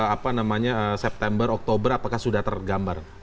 apa namanya september oktober apakah sudah tergambar